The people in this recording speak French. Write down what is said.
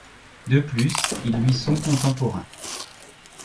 De plus ils lui sont contemporains.